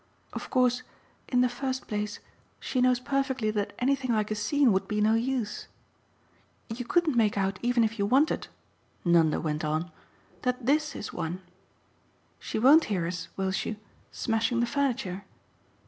Of course in the first place she knows perfectly that anything like a scene would be no use. You couldn't make out even if you wanted," Nanda went on, "that THIS is one. She won't hear us will she? smashing the furniture.